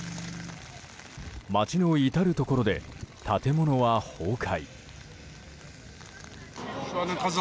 街の至るところで建物は崩壊。